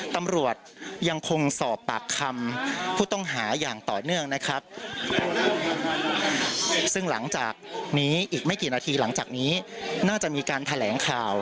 ตำรวจยังคงสอบปากคำผู้ต้องหาอย่างต่อเนื่องนะครับ